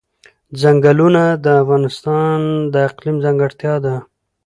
ځنګلونه د افغانستان د اقلیم ځانګړتیا ده.